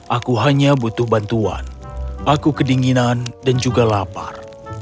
aku hanya butuh bantuan aku kedinginan dan juga lapar